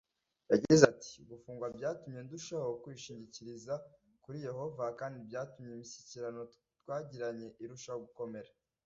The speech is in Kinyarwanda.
yagize ati gufungwa byatumye ndushaho kwishingikiriza kuri yehova kandi byatumye imishyikirano twagiranye irushaho gukomera